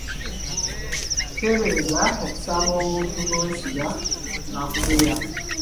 Teebereza okusanga omuntu gwe weesiga nga akugeya!